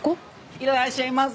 いらっしゃいませ。